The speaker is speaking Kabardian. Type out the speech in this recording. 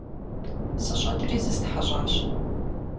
СыщӀэкӀри зыстхьэщӀащ.